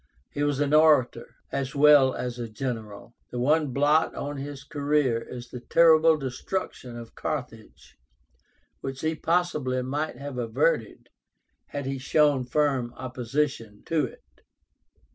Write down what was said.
He was an orator, as well as a general. The one blot on his career is the terrible destruction of Carthage, which he possibly might have averted had he shown firm opposition to it.